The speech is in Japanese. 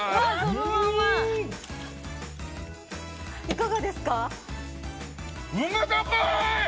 いかがですか？